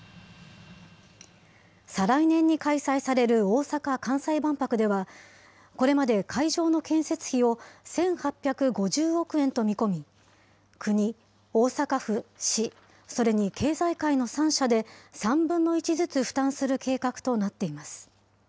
再来年に開催される大阪・関西万博では、これまで会場の建設費を１８５０億円と見込み、国、大阪府・市、それに経済界の３者で、３分の１ずつ負担する計画となっています。